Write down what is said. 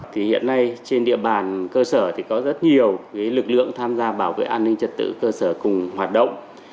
thì hiện nay trên địa bàn cơ sở thì có rất nhiều lực lượng tham gia bảo vệ an ninh trật tự cơ sở cùng hoạt động